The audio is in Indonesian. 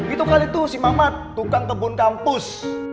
itu kali itu si mamat tukang kebun kampus